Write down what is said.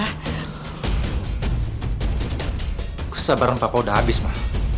aku sabaran papa udah habis ma